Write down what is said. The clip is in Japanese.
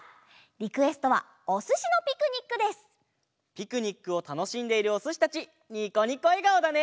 ピクニックをたのしんでいるおすしたちニコニコえがおだね！